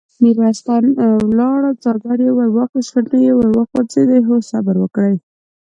ميرويس خان ولاړ شو، څادر يې ور واخيست، شونډې يې وخوځېدې: هو! صبر وکړئ!